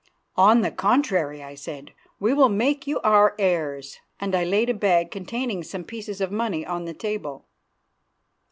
"On the contrary," I said, "we will make you our heirs," and I laid a bag containing some pieces of money upon the table.